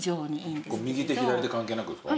右手左手関係なくですか？